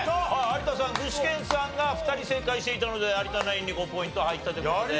有田さん具志堅さんが２人正解していたので有田ナインに５ポイント入ったという事で。